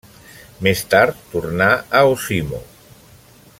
Més tard tornà a Osimo.